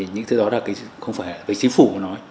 những thứ đó không phải chính phủ nói